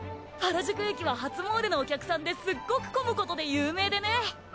原宿駅は初詣のお客さんですっごく混むことで有名でね。